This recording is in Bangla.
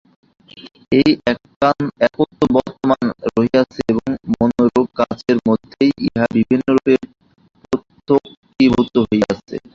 এই একত্ব বর্তমান রহিয়াছে এবং মনরূপ কাঁচের মাধ্যমেই ইহা বিভিন্নরূপে প্রত্যক্ষীভূত হইতেছে।